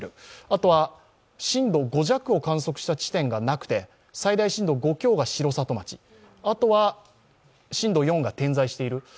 あとは震度５弱を観測した地点がなくて最大震度５強が城里町、あとは震度４が点在している。